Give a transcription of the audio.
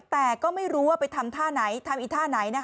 แต่ก็ไม่รู้ว่าไปทำท่าไหนทำอีกท่าไหน